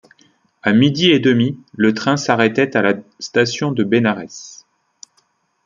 À midi et demi, le train s’arrêtait à la station de Bénarès.